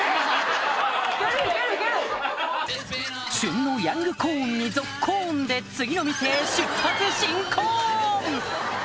旬のヤングコーンにゾッコンで次の店へ出発進コン！